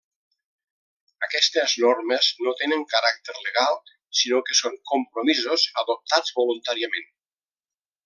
Aquestes normes no tenen caràcter legal sinó que són compromisos adoptats voluntàriament.